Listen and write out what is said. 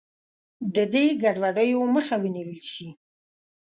د دې ګډوډیو مخه ونیول شي.